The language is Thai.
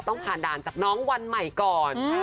ต้องผ่านด่านจากน้องวันใหม่ก่อน